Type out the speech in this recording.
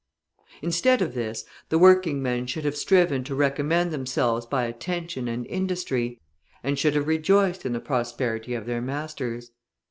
Instead of this, the working men should have striven to recommend themselves by attention and industry, and should have rejoiced in the prosperity of their masters.